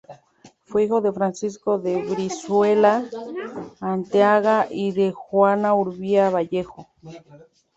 Fue hijo de Francisco de Brizuela Arteaga y de Juana Urbina Vallejo.